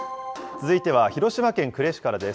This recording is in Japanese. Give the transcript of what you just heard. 続いては広島県呉市からです。